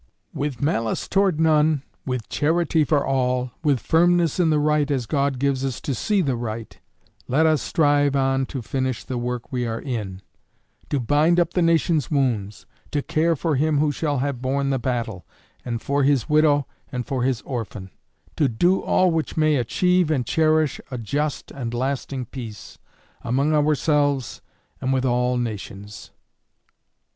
With malice toward none, with charity for all, with firmness in the right, as God gives us to see the right, let us strive on to finish the work we are in; to bind up the nation's wounds; to care for him who shall have borne the battle, and for his widow and for his orphan; to do all which may achieve and cherish a just and lasting peace among ourselves and with all nations.